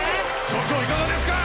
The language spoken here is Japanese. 所長いかがですか？